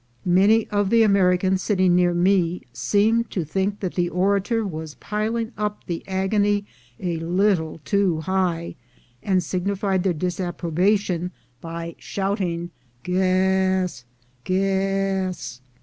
Many of the Americans sitting near me seemed to think that the orator was piling up the agony a little too high, and signified their disapprobation by shouting "Gaas, gaas!"